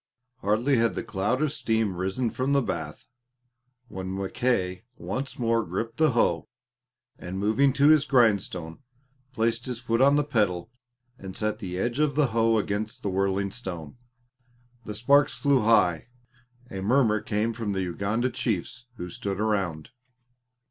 Hardly had the cloud of steam risen from the bath, when Mackay once more gripped the hoe, and moving to his grindstone placed his foot on the pedal and set the edge of the hoe against the whirling stone. The sparks flew high. A murmur came from the Uganda chiefs who stood around.